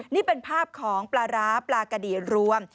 นี่เป็นภาพของปลาร้าปลากะดีรวม